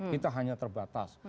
kita hanya terbatas